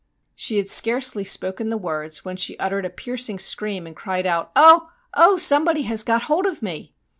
' She had scarcely spoken the words, when she uttered a piercing scream, and cried out, ' Oh, oh, somebody has got hold of me